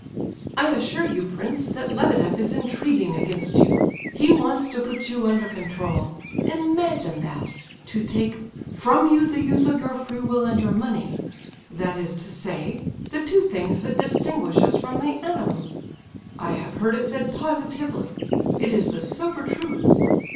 "I assure you, prince, that Lebedeff is intriguing against you. He wants to put you under control. Imagine that! To take 'from you the use of your free will and your money'—that is to say, the two things that distinguish us from the animals! I have heard it said positively. It is the sober truth."